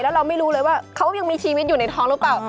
แล้วเราไม่รู้เลยว่าเขายังมีชีวิตอยู่ในท้องหรือเปล่า